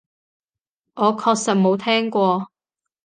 我確實冇聽過